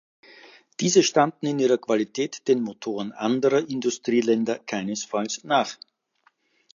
Diese standen in ihrer Qualität den Motoren anderer Industrieländer keinesfalls nach.